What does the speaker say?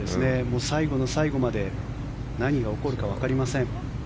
最後の最後まで何が起こるかわかりません。